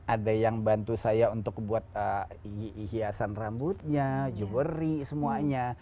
ada yang bantu saya untuk buat hiasan rambutnya jewery semuanya